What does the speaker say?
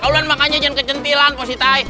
kaluan makanya jangan kejentilan positai